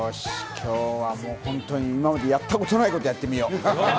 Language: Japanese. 今日はもう本当に、今までやったことないことやってみよう！